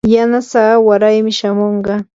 yanasaa waraymi shamunqa.